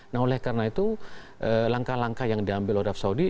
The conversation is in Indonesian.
nah oleh karena itu langkah langkah yang diambil oleh arab saudi